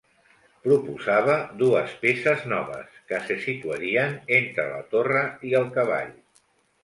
Proposava dues peces noves, que se situarien entre la torre i el cavall.